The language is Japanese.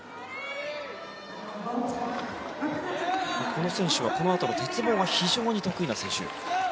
この選手はこのあとの鉄棒が非常に得意な選手。